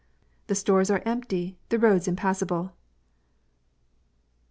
The stores are empty; the roads impassible.